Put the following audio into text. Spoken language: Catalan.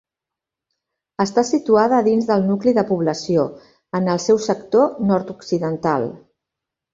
Està situada a dins del nucli de població, en el seu sector nord-occidental.